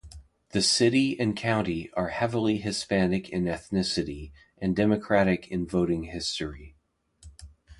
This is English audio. The city and county are heavily Hispanic in ethnicity and Democratic in voting history.